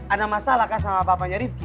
ada masalah kan sama bapaknya rifqi